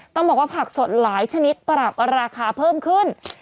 ต้องบอกว่าผักสดหลายชนิดปรับราคาเพิ่มขึ้น